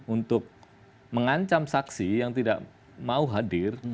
untuk mengancam saksi yang tidak mau hadir